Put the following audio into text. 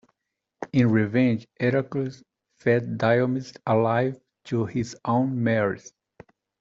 In revenge, Heracles fed Diomedes alive to his own mares.